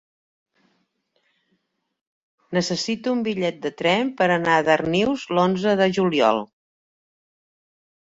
Necessito un bitllet de tren per anar a Darnius l'onze de juliol.